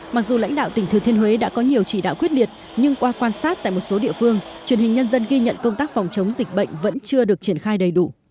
mặc dù lãnh đạo tỉnh thừa thiên huế đã có nhiều chỉ đạo quyết liệt nhưng qua quan sát tại một số địa phương truyền hình nhân dân ghi nhận công tác phòng chống dịch bệnh vẫn chưa được triển khai đầy đủ